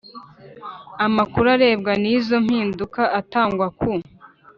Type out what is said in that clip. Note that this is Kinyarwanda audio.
Amakuru arebwa n izo mpinduka atangwa ku